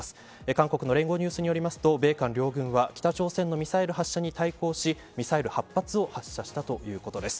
韓国の聯合ニュースによりますと米韓両軍は北朝鮮のミサイル発射に対抗しミサイル８発を発射したとしています。